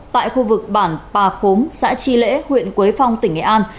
tại khu vực bản bà khống xã tri lễ huyện quế phong tỉnh nghệ an